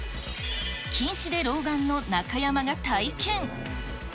近視で老眼の中山が体験。